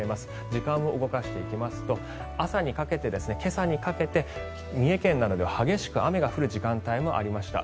時間を動かしていきますと朝にかけて今朝にかけて三重県などでは激しく雨が降る時間帯もありました。